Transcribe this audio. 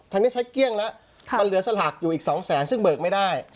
ทางนี้ใช้เกี้ยงแล้วค่ะมันเหลือสลากอยู่อีกสองแสนซึ่งเบิกไม่ได้ใช่